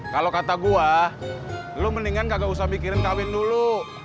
kalau kata gua lu mendingan gak usah mikirin kawin dulu